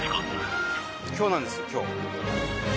今日なんです今日。